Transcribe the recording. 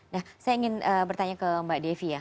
nah saya ingin bertanya ke mbak devi ya